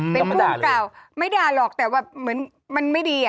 เป็นภูมิเก่าไม่ด่าหรอกแต่ว่าเหมือนมันไม่ดี